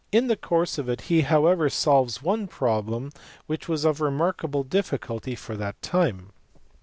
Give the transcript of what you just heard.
In the course of it he however solves one problem which was of remarkable diffi culty for that time.